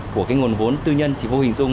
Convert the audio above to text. của cái nguồn vốn tư nhân thì vô hình dung